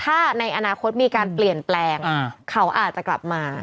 ถ้าในอนาคตมีการเปลี่ยนแปลงเขาอาจจะกลับมา